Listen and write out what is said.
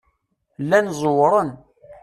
Llan zewṛen.